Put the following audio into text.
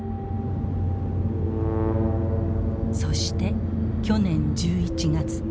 そして去年１１月。